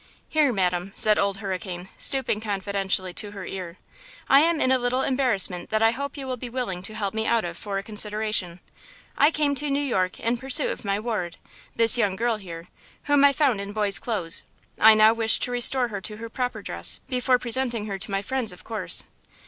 "Here, madam," said Old Hurricane, stooping confidentially to her ear, "I am in a little embarrassment that I hope you will be willing to help me out of for a consideration. I came to New York in pursuit of my ward–this young girl here–whom I found in boy's clothes. I now wish to restore her to her proper dress, before presenting her to my friends, of course.